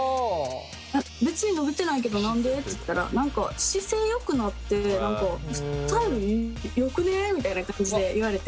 「別に伸びてないけど何で？」って言ったら「姿勢よくなってスタイルよくね？」みたいな感じで言われて。